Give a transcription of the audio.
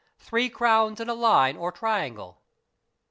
Three crowns in a line or triangle.